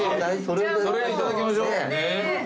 それいただきましょう。